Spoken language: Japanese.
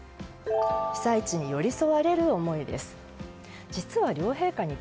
被災地に寄り添われる思いです。